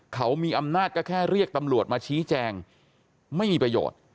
เขามีอำนาจก็แค่เรียกตำรวจมาชี้แจงไม่มีประโยชน์